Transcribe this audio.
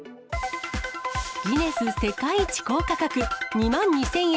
ギネス世界一高価格、２万２０００円